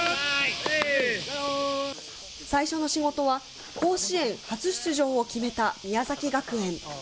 最初の仕事は甲子園初出場を決めた宮崎学園。